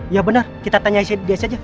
ya benar kita tanya dia saja